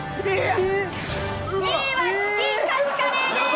２位はチキンカツカレーです！